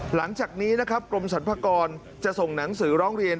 หลังจากนี้นะครับกรมสรรพากรจะส่งหนังสือร้องเรียน